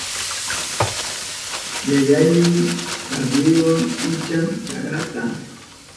Yayayni sabliwa pichan chakranta.